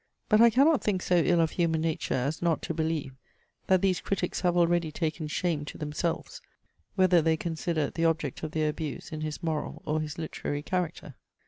But I cannot think so ill of human nature as not to believe, that these critics have already taken shame to themselves, whether they consider the object of their abuse in his moral or his literary character.